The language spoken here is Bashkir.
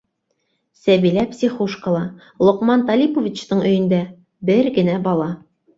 Сәбилә психушкала, Лоҡман Талиповичтың өйөндә... бер генә бала.